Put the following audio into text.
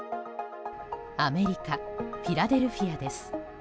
アメリカフィラデルフィアです。